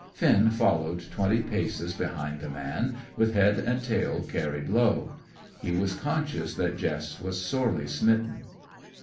Finn followed, twenty paces behind the man, with head and tail carried low. He was conscious that Jess was sorely smitten.